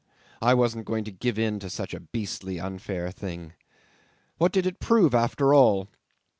I wasn't going to give in to such a beastly unfair thing. What did it prove after all?